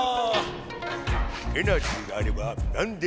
エナジーがあればなんでもできる。